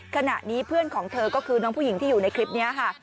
ขณะนี้เพื่อนของเธอก็คือน้องผู้หญิงที่อยู่ในคลิปนี้ค่ะ